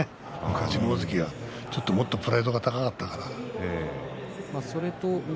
昔の大関はもっとプライドが高かったからね。